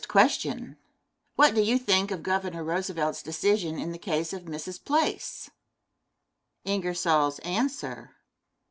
Question. What do you think of Governor Roosevelt's decision in the case of Mrs. Place? Answer.